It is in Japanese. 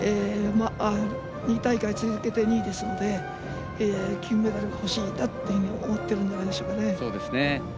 ２大会続けて２位ですので金メダル欲しいなっていうふうに思ってるんじゃないでしょうかね。